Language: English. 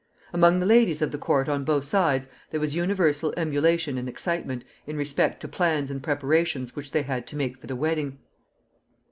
Among the ladies of the court on both sides there was universal emulation and excitement in respect to plans and preparations which they had to make for the wedding.